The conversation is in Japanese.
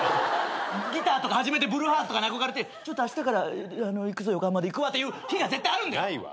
ギターとか始めてブルーハーツとかに憧れて「ちょっとあしたから『いくぞ横浜』でいくわ」って日が絶対あるんだよ。ないわ。